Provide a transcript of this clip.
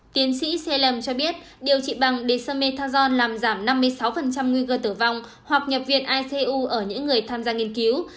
tiến sĩ salem cho biết điều trị bằng dexamethasone làm giảm năm mươi sáu nguy cơ tử vong hoặc nhập viện icu ở những người tham gia nghiên cứu